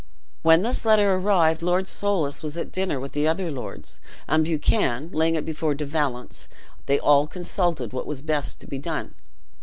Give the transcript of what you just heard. When this letter arrived, Lord Soulis was at dinner with the other lords; and Buchan, laying it before De Valence, they all consulted what was best to be done.